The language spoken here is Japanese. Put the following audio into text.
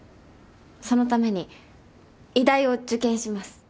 そのために医大を受験します。